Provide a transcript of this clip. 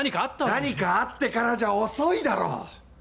何かあってからじゃ遅いだろ！